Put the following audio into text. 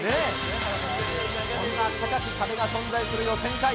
そんな高き壁が存在する予選会。